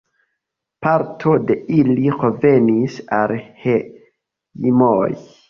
Parto de ili revenis al hejmoj.